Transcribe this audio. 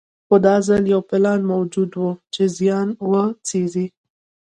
خو دا ځل یو پلان موجود و چې زیان وڅېړي.